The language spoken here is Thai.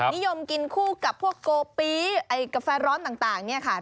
นิยมกินคู่กับพวกโกปีไอ้กาแฟร้อนต่างเนี่ยค่ะ